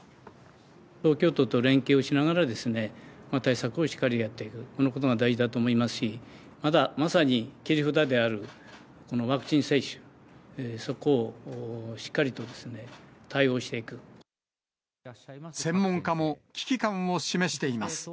東京都と連携をしながらですね、対策をしっかりやっていく、このことが大事だと思いますし、まさに切り札であるこのワクチン接種、そこをしっかりと対応して専門家も危機感を示しています。